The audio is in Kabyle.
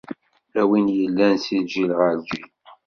A win yellan si lǧil ɣer lǧil!